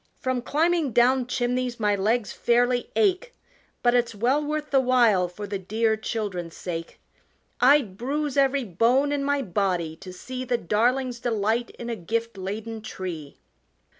From climbing down chimneys my legs fairly ache, But it's well worth the while for the dear children's sake. I'd bruise every bone in my body to see The darlings' delight in a gift laden tree!"